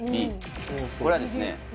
これはですね